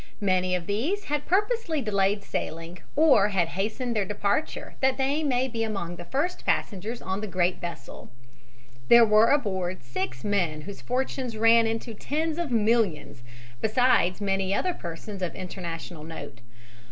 Many of these had purposely delayed sailing, or had hastened their departure, that they might be among the first passengers on the great vessel. There were aboard six men whose fortunes ran into tens of millions, besides many other persons of international note.